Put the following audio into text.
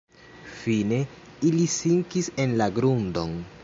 Fine ili sinkis en la grundon.